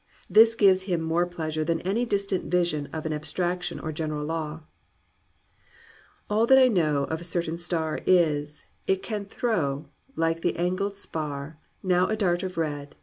This gives him more pleasure than any distant vision of an abstraction or a general law. "All that I know Of a certain star Is, it can throw (Like the angled spar) Now a dart of red.